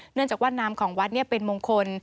เนื่องจากว่าน้ำของวัดเป็นมงคล